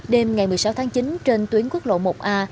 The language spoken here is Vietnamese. đêm ngày một mươi sáu tháng chín trên tuyến quốc lộ một a